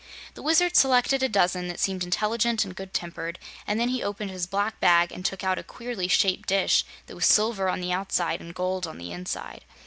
The Wizard selected a dozen that seemed intelligent and good tempered, and then he opened his black bag and took out a queerly shaped dish that was silver on the outside and gold on the inside.